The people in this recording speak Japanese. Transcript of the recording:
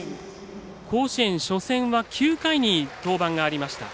甲子園初戦は９回に登板がありました。